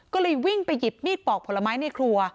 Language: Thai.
ก็เลยวิ่งไปหยิบมีดปอกผลไม้ในครัว